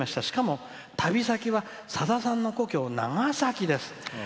しかも、旅先は、さださんの故郷長崎です」。